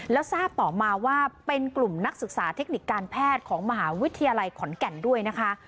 แล้วทราบต่อมาว่าเป็นกลุ่มนักศึกษาเทคนิคการแพทย์ของมหาวิทยาลัยขอนแก่นด้วยนะคะ